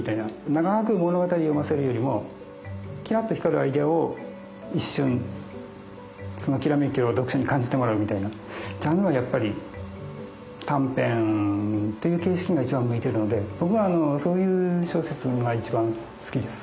長く物語を読ませるよりもキラッと光るアイデアを一瞬そのきらめきを読者に感じてもらうみたいなジャンルはやっぱり短編という形式が一番向いてるので僕はそういう小説が一番好きです。